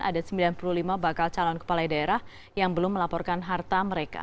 ada sembilan puluh lima bakal calon kepala daerah yang belum melaporkan harta mereka